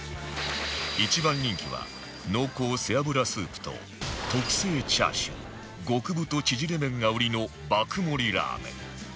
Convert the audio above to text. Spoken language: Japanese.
一番人気は濃厚背脂スープと特製チャーシュー極太ちぢれ麺が売りの爆盛りラーメン